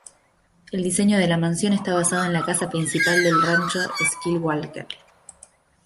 El diseño de la mansión está basado en la casa principal del Rancho Skywalker.